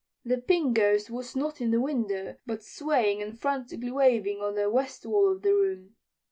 The Pink Ghost was not in the window, but swaying and frantically waving on the west wall of the room.